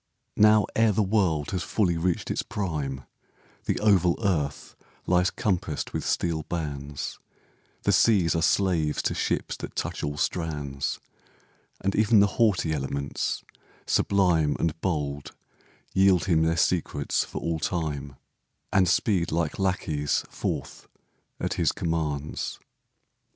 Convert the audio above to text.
Now, ere the world has fully reached its prime, The oval earth lies compassed with steel bands, The seas are slaves to ships that touch all strands, And even the haughty elements, sublime And bold, yield him their secrets for all time, And speed like lackeys forth at his commands.